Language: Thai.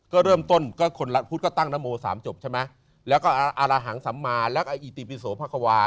ก็เริ่มต้นคนรัฐพุทธก็ตั้งนัมโมสามจบใช่ไหมแล้วอารหางศรัมนาอิติปิสโภภาควา